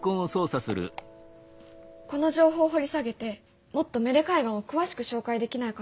この情報掘り下げてもっと芽出海岸を詳しく紹介できないかなと思って。